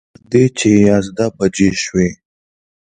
تر دې چې یازده بجې شوې.